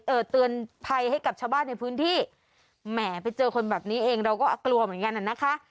เตือนภัยให้กับชาวบ้านในพื้นที่แหมไปเจอคนแบบนี้เองเราก็กลัวเหมือนกันน่ะนะคะ